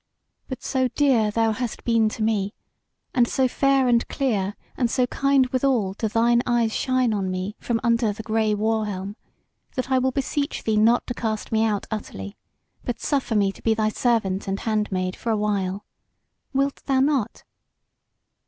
But so dear thou hast been to me; and so fair and clear, and so kind withal do thine eyes shine on me from under the grey war helm, that I will beseech thee not to cast me out utterly, but suffer me to be thy servant and handmaid for a while. Wilt thou not?"